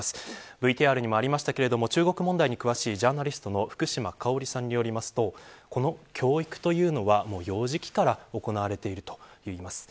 ＶＴＲにもありましたが中国問題に詳しいジャーナリストの福島香織さんによるとこの教育というのは幼児期から行われているといいます。